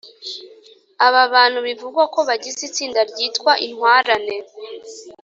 aba bantu bivugwa ko bagize itsinda ryitwa intwarane